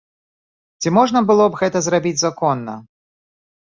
Ці можна было б гэта зрабіць законна?